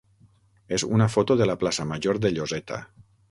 és una foto de la plaça major de Lloseta.